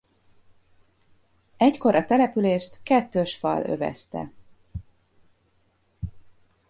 Egykor a települést kettős fal övezte.